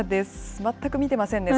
全く見てませんね、外。